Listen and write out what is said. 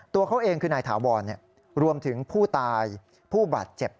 ตัวเขาเองคือนายถาวรรวมถึงผู้ตายผู้บาดเจ็บ